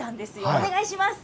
お願いします。